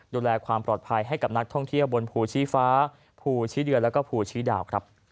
ดูแลความปลอดภัยให้กับนักท่องเที่ยวบนภูชีฟ้าภูชีเดือนแล้วก็ภูชีดาวครับ